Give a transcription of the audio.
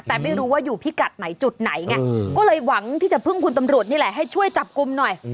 แต่ไม่รู้ว่าอยู่พิกัดไหนจุดไหนไงก็เลยหวังที่จะพึ่งคุณตำรวจนี่แหละให้ช่วยจับกลุ่มหน่อย